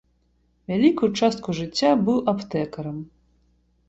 Вялікую частку жыцця быў аптэкарам.